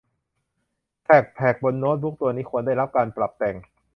แทรคแพดบนโน้ตบุ๊คตัวนี้ควรได้รับการปรับแต่ง